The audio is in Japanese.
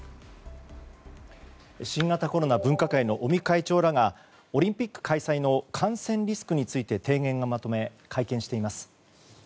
新型コロナ分科会の尾身会長らがオリンピック開催の感染リスクについて提言をまとめ会見しています。